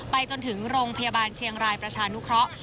จนถึงโรงพยาบาลเชียงรายประชานุเคราะห์